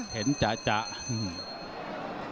เห็นจ๋าจ๋า